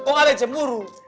kok ada jemuru